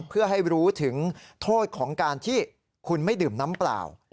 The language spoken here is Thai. เพื่อให้รู้ถึงโทษของการที่คุณไม่ดื่มน้ำเปล่า